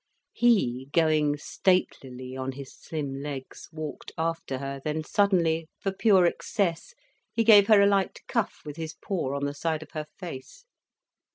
He, going statelily on his slim legs, walked after her, then suddenly, for pure excess, he gave her a light cuff with his paw on the side of her face.